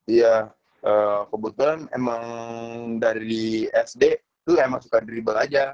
iya kebetulan emang dari sd itu emang suka dribble aja